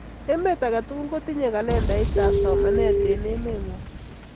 emet aketukul kotinye kalendait ab somanee en emee ngwany